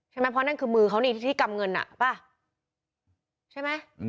ใช่ไหมเพราะนั่นคือมือเขานี่ที่กำเงินอ่ะป่ะใช่ไหม